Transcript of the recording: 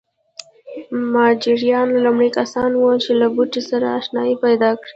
مجاریان لومړني کسان وو چې له بوټي سره اشنايي پیدا کړې.